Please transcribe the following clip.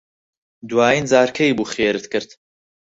دوایین جار کەی بوو خێرت کرد؟